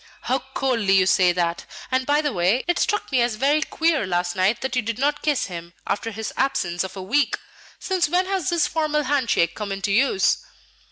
"How coldly you say that! And, by the way, it struck me as very queer last night that you did not kiss him after his absence of a week. Since when has this formal hand shake come into use?"